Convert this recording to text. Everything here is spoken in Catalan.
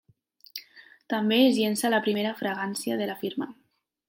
També es llença la primera fragància de la firma.